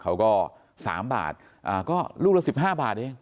เขาก็๓บาทก็ลูกละ๑๕บาทเอง